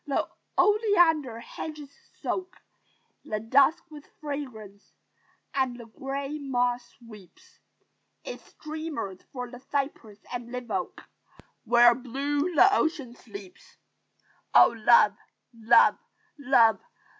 The oleander hedges soak The dusk with fragrance: and the gray moss sweeps Its streamers from the cypress and live oak Where blue the ocean sleeps. "Oh, love, love, love!"